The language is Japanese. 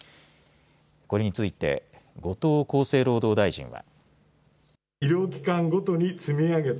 これについて後藤厚生労働大臣は。